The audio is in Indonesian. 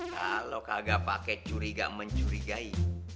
kalo kagak pake curiga mencurigai